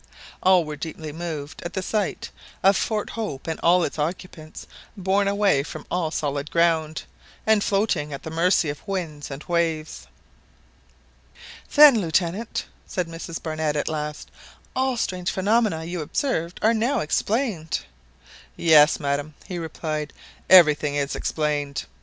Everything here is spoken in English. All were deeply moved at the sight of Fort Hope and all its occupants borne away from all solid ground, and floating at the mercy of winds and waves. "Then, Lieutenant," said Mrs Barnett at last, "all the strange phenomena you observed are now explained!" "Yes, madam," he replied, "everything is explained.